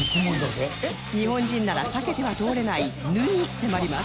日本人なら避けては通れない「ぬ」に迫ります